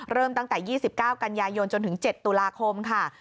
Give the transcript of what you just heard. เริ่มตั้งแต่๒๙กันยายนจนถึง๗ตุลาคมค่ะ